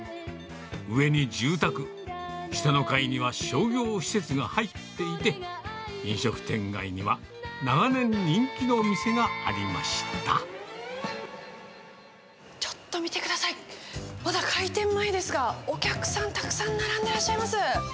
上に住宅、下の階には商業施設が入っていて、飲食店街には長年、ちょっと見てください、まだ開店前ですが、お客さん、たくさん並んでらっしゃいます。